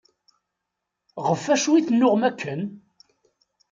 Ɣef acu i tennuɣ akken?